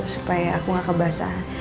supaya aku gak kebasahan